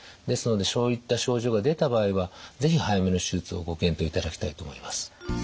ですのでそういった症状が出た場合は是非早めの手術をご検討いただきたいと思います。